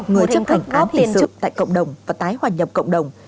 người chấp hành án tỉnh sử tại cộng đồng và tái hoàn nhập cộng đồng